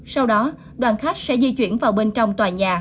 sau đó đoàn khách sẽ di chuyển vào bên trong tòa nhà